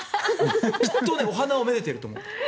きっとお花を愛でてると思う。